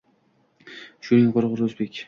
«Sho‘ring qurg‘ur... o‘zbek»